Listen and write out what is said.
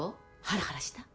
ハラハラした？